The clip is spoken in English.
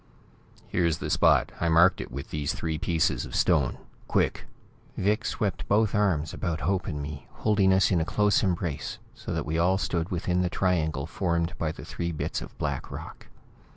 "Here's the spot! I marked it with these three pieces of stone. Quick!" Vic swept both arms about Hope and me, holding us in a close embrace, so that we all stood within the triangle formed by the three bits of black rock.